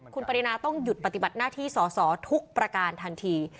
คุณปรินาต้องหยุดปฏิบัติหน้าที่สอสอทุกประการทันที